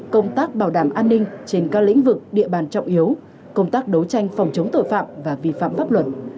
công tác bảo đảm an ninh trên các lĩnh vực địa bàn trọng yếu công tác đấu tranh phòng chống tội phạm và vi phạm pháp luật